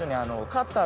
カッター？